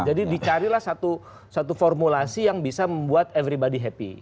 jadi dicarilah satu formulasi yang bisa membuat everybody happy